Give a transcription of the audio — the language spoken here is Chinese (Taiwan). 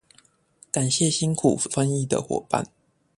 感謝辛苦翻譯的夥伴